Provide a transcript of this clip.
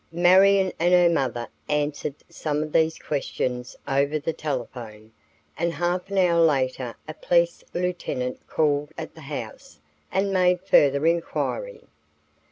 Marion and her mother answered some of these questions over the telephone and half an hour later a police lieutenant called at the house and made further inquiry.